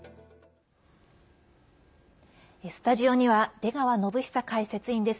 スタジオには出川展恒解説委員です。